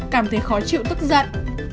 một cảm thấy khó chịu tức giận